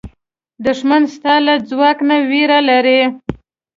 دښمن ستا له ځواک نه وېره لري